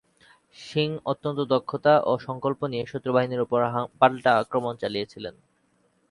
সিং অত্যন্ত দক্ষতা ও সংকল্প নিয়ে শত্রু বাহিনীর উপর পাল্টা আক্রমণ চালিয়েছিলেন।